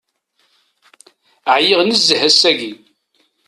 Ɛyiɣ nezzeh ass-agi.